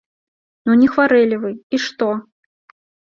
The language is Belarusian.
Ну не хварэлі вы, і што?